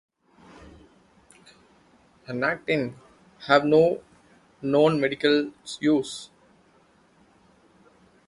Nactins have no known medical use.